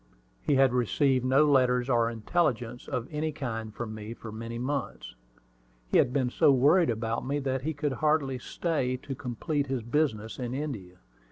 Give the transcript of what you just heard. He had received no letters or intelligence of any kind from me for many months. He had been so worried about me that he could hardly stay to complete his business in India.